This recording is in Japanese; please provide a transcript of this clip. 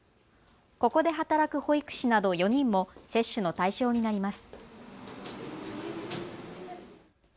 ここで働く保育士など４人も接種の対象になります。